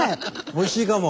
おいしいかも。